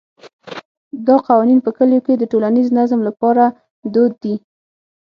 دا قوانین په کلیو کې د ټولنیز نظم لپاره دود دي.